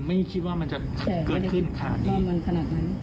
ไม่คิดว่ามันจะเกิดขึ้นขนาดนั้น